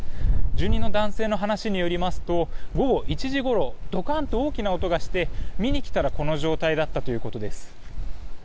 住人の男性の話によりますと午後１時ごろドカンと大きな音がして見に来たらこの状態だったということです。